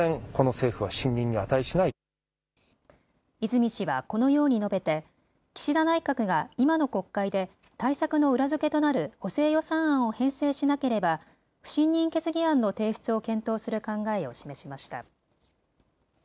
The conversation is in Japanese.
泉氏はこのように述べて岸田内閣が今の国会で対策の裏付けとなる補正予算案を編成しなければ不信任決議案の提出を検討する考えを示しました。